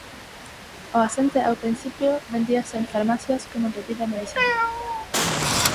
O asente ao principio vendíase en farmacias como bebida medicinal.